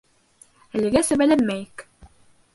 Әлегә сәбәләнмәйек.